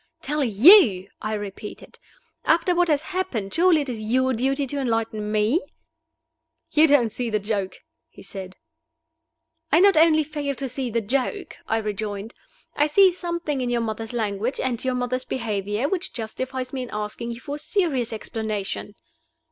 "Tell you!" I repeated. "After what has happened, surely it is your duty to enlighten me." "You don't see the joke," he said. "I not only fail to see the joke," I rejoined, "I see something in your mother's language and your mother's behavior which justifies me in asking you for a serious explanation."